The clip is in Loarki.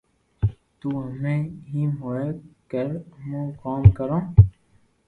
تو ھمي ايم ھوئي ڪو امو ڪوم ڪرو